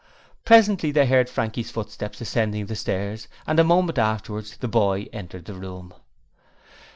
Presently they heard Frankie's footsteps ascending the stairs and a moment afterwards the boy entered the room.